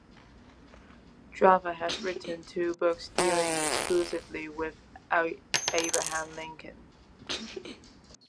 Jaffa has written two books dealing exclusively with Abraham Lincoln.